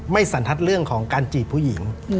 สันทัศน์เรื่องของการจีบผู้หญิง